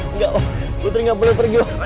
enggak putri gak boleh pergi loh